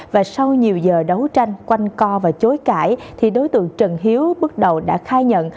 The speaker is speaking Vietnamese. và sau nhiều giờ đấu tranh quanh co và chối cãi thì đối tượng trần hiếu bước đầu đã khai nhận